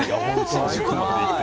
新宿まで行って。